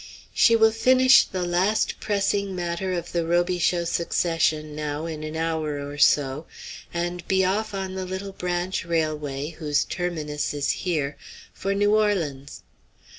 She will finish the last pressing matter of the Robichaux succession now in an hour or so, and be off on the little branch railway, whose terminus is here, for New Orleans.